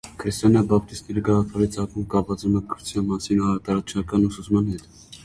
Քրիստոնյա բապտիստների գաղափարի ծագումը կապված է մկրտության մասին ավետարանչական ուսուցման հետ։